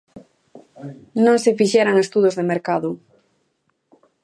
Non se fixeran estudos de mercado.